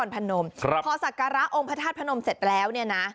พนมครับพอสักการะองค์พระธาตุพนมเสร็จแล้วเนี่ยนะ